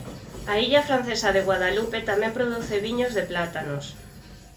A illa francesa de Guadalupe tamén produce viño de plátanos.